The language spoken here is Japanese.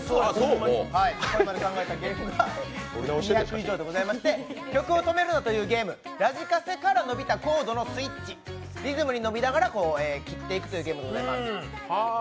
これまで考えたゲームは２００以上でございまして「曲を止めるな！」というゲーム、ラジカセからのびたコードのスイッチ、リズムに乗りながら切っていくというゲームでございます。